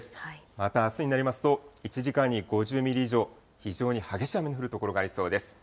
またあすになりますと、１時間に５０ミリ以上、非常に激しい雨の降る所がありそうです。